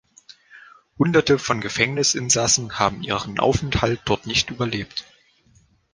Hunderte von Gefängnisinsassen haben ihren Aufenthalt dort nicht überlebt.